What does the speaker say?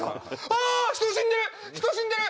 ああ人死んでる人死んでる！